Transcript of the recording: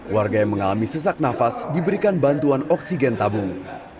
warga yang mengalami sesak nafas diberikan bantuan oksigen tabung